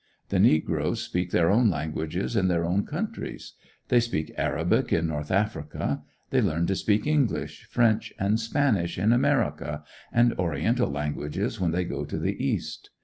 The negroes speak their own languages in their own countries; they speak Arabic in North Africa; they learn to speak English, French, and Spanish in America, and Oriental languages when they go to the East.